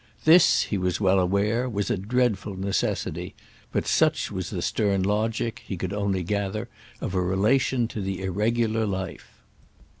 This, he was well aware, was a dreadful necessity; but such was the stern logic, he could only gather, of a relation to the irregular life.